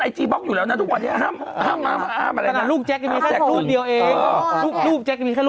อ้าวะผมจะป๊อกพี่ก่อน